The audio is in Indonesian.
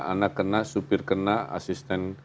anak kena supir kena asisten